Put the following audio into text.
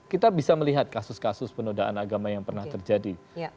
kita bisa melihat kasus kasus penodaan agama yang pernah terjadi